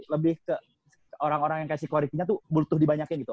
lebih ke orang orang yang kayak si ko ricky nya tuh butuh dibanyakin gitu